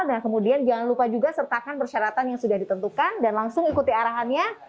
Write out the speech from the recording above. nah kemudian jangan lupa juga sertakan persyaratan yang sudah ditentukan dan langsung ikuti arahannya